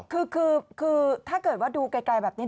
คือถ้าเกิดว่าดูไกลแบบนี้